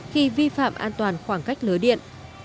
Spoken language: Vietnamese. khi vi phạm an toàn khoảng cách lưới điện